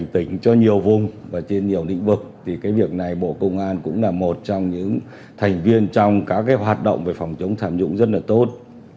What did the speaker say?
trong nhiều vùng và trên nhiều lĩnh vực thì cái việc này bộ công an cũng là một trong những thành viên trong các cái hoạt động về phòng chống tham dũng rất là tốt